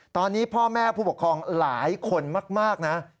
ตอนนี้พ่อแม่ผู้ปกครองหลายคนมากนะ